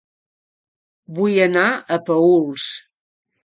Vull anar a Paüls